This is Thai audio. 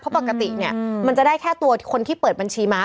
เพราะปกติเนี่ยมันจะได้แค่ตัวคนที่เปิดบัญชีม้า